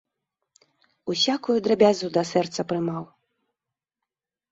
Усякую драбязу да сэрца прымаў.